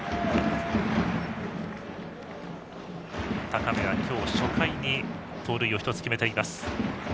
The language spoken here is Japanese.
高部は今日初回に盗塁を１つ決めています。